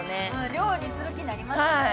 料理する気になりますね